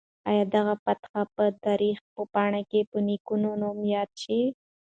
آیا دغه فاتح به د تاریخ په پاڼو کې په نېک نوم یاد شي؟